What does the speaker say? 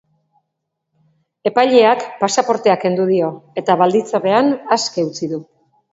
Epaileak pasaportea kendu dio eta baldintzapean aske utzi du.